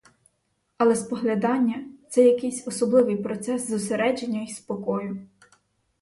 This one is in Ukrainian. Але споглядання — це якийсь особливий процес зосередження й спокою.